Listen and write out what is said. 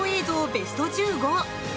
ベスト１５。